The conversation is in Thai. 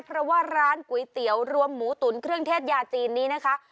เพราะว่าร้านก๋วยเตี๋ยวรวมหมูตุ๋นเครื่องเทศยาจีนนี้นะคะ